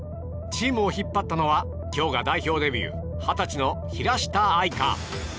チームを引っ張ったのは今日が代表デビュー二十歳の平下愛佳。